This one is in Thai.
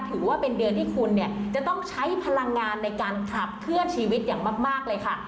ถือว่าเป็นเดือนที่คุณเนี่ยจะต้องใช้พลังงานในการขับเคลื่อนชีวิตอย่างมากเลยค่ะ